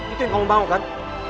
itu yang kamu mau kan